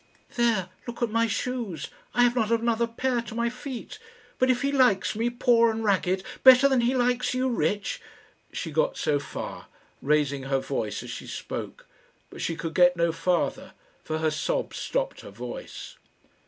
There, look at my shoes. I have not another pair to my feet. But if he likes me, poor and ragged, better than he likes you, rich " She got so far, raising her voice as she spoke; but she could get no farther, for her sobs stopped her voice.